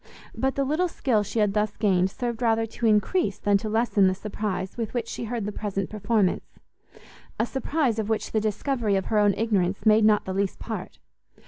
But the little skill she had thus gained, served rather to increase than to lessen the surprize with which she heard the present performance, a surprize of which the discovery of her own ignorance made not the least part.